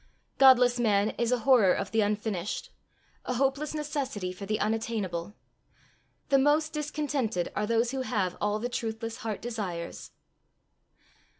Godless man is a horror of the unfinished a hopeless necessity for the unattainable! The most discontented are those who have all the truthless heart desires.